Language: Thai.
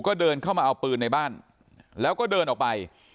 ก็เดินเข้ามาเอาปืนในบ้านแล้วก็เดินออกไป